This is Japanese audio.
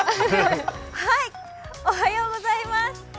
おはようございます。